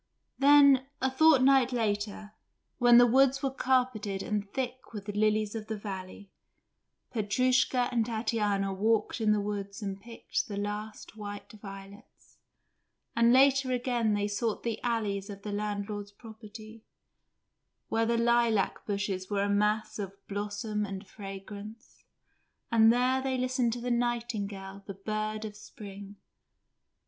Then a fortnight later, when the woods were carpeted and thick with lilies of the valley, Petrushka and Tatiana walked in the woods and picked the last white violets, and later again they sought the alleys of the landlord's property, where the lilac bushes were a mass of blossom and fragrance, and there they listened to the nightingale, the bird of spring.